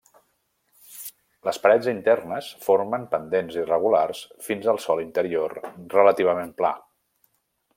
Les parets internes formen pendents irregulars fins al sòl interior relativament pla.